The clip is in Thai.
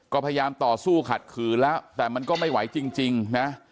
ก็พยายามต่อสู้ขัดขืนแล้วแต่มันก็ไม่ไหวจริงนะ